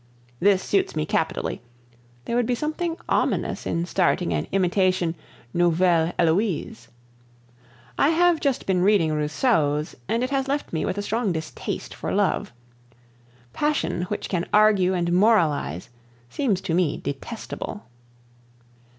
This suits me capitally; there would be something ominous in starting an imitation Nouvelle Heloise. I have just been reading Rousseau's, and it has left me with a strong distaste for love. Passion which can argue and moralize seems to me detestable.